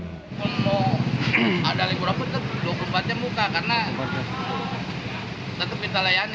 kalau ada libur apa dua puluh empat nya muka karena tetap minta layani